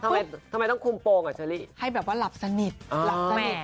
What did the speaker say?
ทำไมทำไมต้องคุมโปรงกับเชอรี่ให้แบบว่าหลับสนิทหลับสนิท